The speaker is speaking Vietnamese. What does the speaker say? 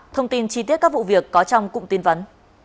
thông tin chi tiết các vụ việc có trong cụm tin vấn